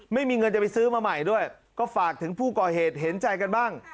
ไม่มีเงินจะไปซื้อมาใหม่ด้วยก็ฝากถึงผู้ก่อเหตุเห็นใจกันบ้าง